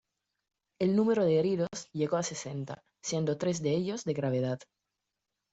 El número de heridos llegó a sesenta, siendo tres de ellos de gravedad.